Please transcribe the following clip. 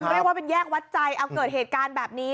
เรียกว่าเป็นแยกวัดใจเอาเกิดเหตุการณ์แบบนี้